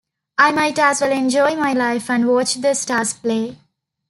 I might as well enjoy my life and watch the stars play.